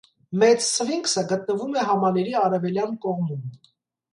Մեծ սֆինքսը գտնվում է համալիրի արևելյան կողմում։